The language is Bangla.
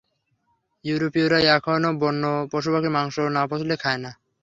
ইউরোপীরা এখনও বন্য পশু পক্ষীর মাংস না পচলে খায় না।